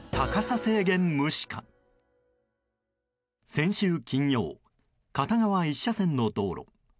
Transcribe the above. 先週金曜、片側１車線の道路。